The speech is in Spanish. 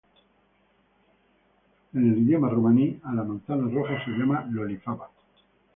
En idioma romaní, a la manzana roja se la llama "loli-phaba".